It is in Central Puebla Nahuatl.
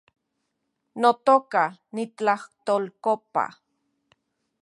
Notoka , nitlajtolkopa